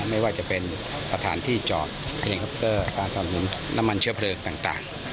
ไม่ว่าจะเป็นประธานที่จอดเฮลิคอปเตอร์การสนับหนุนน้ำมันเชื้อเพลิงต่าง